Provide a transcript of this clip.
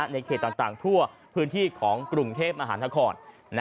ในเขตต่างทั่วพื้นที่ของกรุงเทพมหานคร